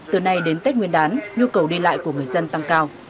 từ nay đến tết nguyên đán nhu cầu đi lại của người dân tăng cao